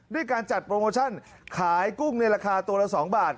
ด้วยการจัดโปรโมชั่นขายกุ้งในราคาตัวละ๒บาท